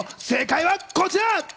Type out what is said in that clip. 正解はこちら。